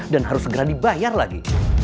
dan harus segera dibayar lagi